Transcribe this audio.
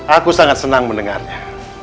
aku sangat senang mendengarnya